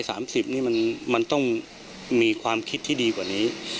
สามสิบนี่มันต้องมีความคิดที่ดีกว่านี้